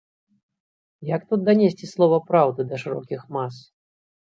Як тут данесці слова праўды да шырокіх мас?